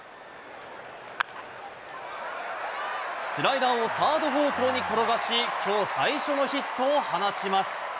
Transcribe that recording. スライダーをサード方向に転がし、きょう最初のヒットを放ちます。